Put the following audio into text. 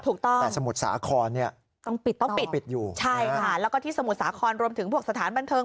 ถูกต้องต้องปิดต่อต้องปิดอยู่ใช่ค่ะและสมุทรสาขนรวมถึงพวกสถานบนเพิง